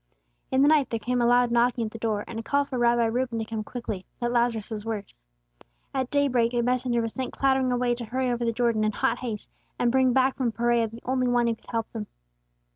In the night there came a loud knocking at the door, and a call for Rabbi Reuben to come quickly, that Lazarus was worse. At day break a messenger was sent clattering away to hurry over the Jordan in hot haste, and bring back from Perea the only One who could help them.